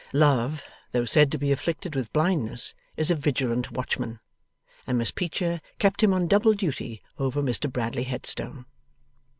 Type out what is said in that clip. Love, though said to be afflicted with blindness, is a vigilant watchman, and Miss Peecher kept him on double duty over Mr Bradley Headstone.